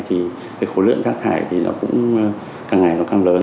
thì khối lượng rác thải cũng càng ngày càng lớn